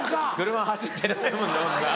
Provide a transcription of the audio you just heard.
車走ってないもんな。